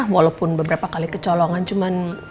walaupun beberapa kali kecolongan cuman